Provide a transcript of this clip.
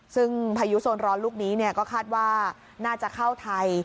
ซึ่งพายุโซนร้อนลูกนี้ก็คาดว่าน่าจะเข้าไทย